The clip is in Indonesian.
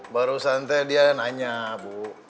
barusan teh dia nanya bu